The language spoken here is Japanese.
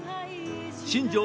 新庄